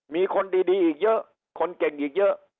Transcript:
มีคนดีอีกเยอะคนเก่งอีกเยอะ